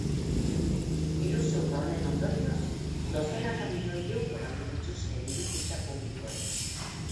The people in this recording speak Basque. Iruzur horren ondorioz dozenaka milioi euro galdu dituzte diru-kutxa publikoek.